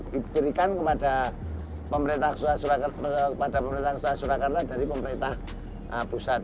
diberikan kepada pemerintah surakarta dari pemerintah pusat